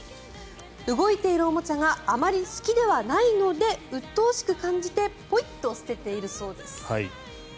動いているおもちゃがあまり好きではないのでうっとうしく感じてポイッと捨てているそうです。